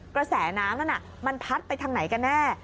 กระแสน้ำนั้นมันพัดไปทางไหนกันแน่